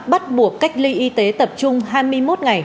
bắt buộc cách ly y tế tập trung hai mươi một ngày